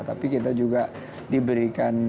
tapi kita juga diberikan